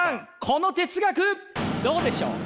この哲学どうでしょう？